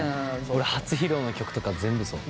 俺初披露の曲とか全部そう。